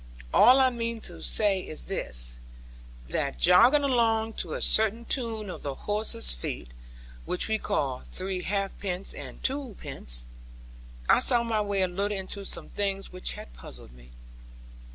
All I mean to say is this, that jogging along to a certain tune of the horse's feet, which we call 'three halfpence and twopence,' I saw my way a little into some things which had puzzled me.